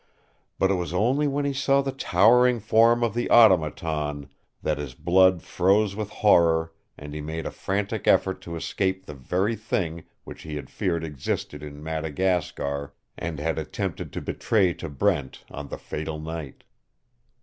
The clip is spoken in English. But it was only when he saw the towering form of the Automaton that his blood froze with horror and he made a frantic effort to escape the very thing which he had feared existed in Madagascar and had attempted to betray to Brent on the fatal night.